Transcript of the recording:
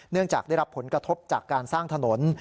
จากได้รับผลกระทบจากการสร้างถนน